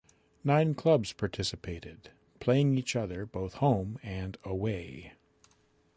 Nine clubs participated playing each other both home and away.